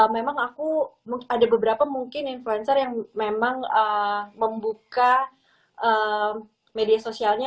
memang aku ada beberapa mungkin influencer yang memang membuka media sosialnya